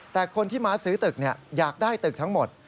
แต่คนที่มาซื้อตึกอยากได้ตึกทั้งหมด